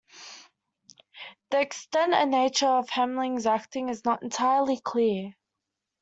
The extent and nature of Heminges' acting is not entirely clear.